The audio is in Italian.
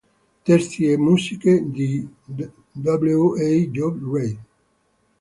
Testi e musiche di W. e J. Reid.